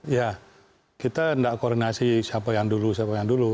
ya kita tidak koordinasi siapa yang dulu siapa yang dulu